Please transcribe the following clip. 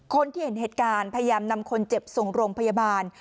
คนที่เห็นเหตุการณ์พยายามนำคนเจ็บส่งโรงพยาบาล